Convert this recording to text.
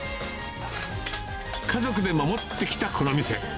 家族で守ってきたこの店。